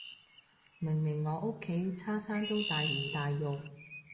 明明我屋企餐餐都大魚大肉